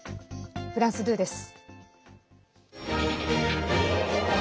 フランス２です。